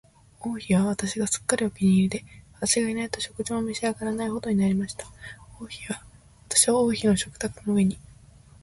王妃は私がすっかりお気に入りで、私がいないと食事も召し上らないほどになりました。私は王妃の食卓の上に、